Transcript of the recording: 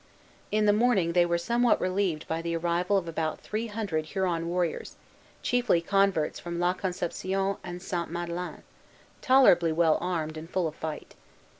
In the morning they were somewhat relieved by the arrival of about three hundred Huron warriors, chiefly converts from La Conception and Sainte Madeleine, tolerably well armed, and full of fight.